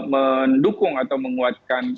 mendukung atau menguatkan